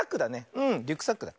うんリュックサックだ。